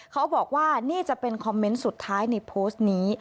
เขาบอกว่านี่จะเป็นคอมเมนต์สุดท้ายในโพสต์นี้